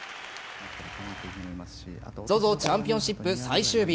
ＺＯＺＯチャンピオンシップ最終日。